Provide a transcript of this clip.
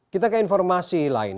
kita ke informasi lain